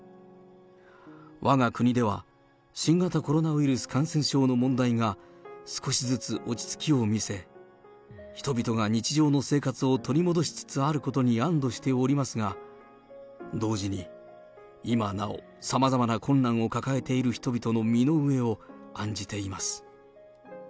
わが国では、新型コロナウイルス感染症の問題が少しずつ落ち着きを見せ、人々が日常の生活を取り戻すことに安どしておりますが、同時に今なお、さまざまな困難を抱えている人々の身の上を案じています。